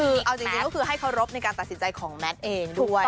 คือเอาจริงก็คือให้เคารพในการตัดสินใจของแมทเองด้วย